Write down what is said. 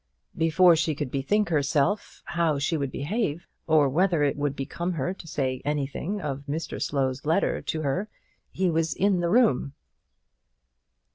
Before she could bethink herself how she would behave herself, or whether it would become her to say anything of Mr Slow's letter to her, he was in the room.